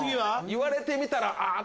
言われてみたらあぁ！